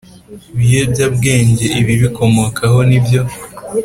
biyobyabwenge ibibikomokaho n ibyo